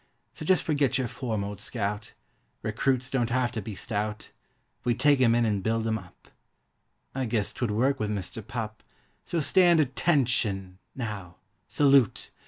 So just forget your form, old scout; Recruits don't have to be stout; We take 'em in and build 'em up— I guess 'twould work with Mister Pup— So stand ATTENTION, now—Salute!